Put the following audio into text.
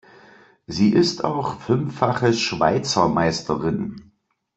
Sie ist auch fünffache Schweizermeisterin.